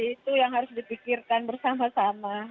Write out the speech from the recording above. itu yang harus dipikirkan bersama sama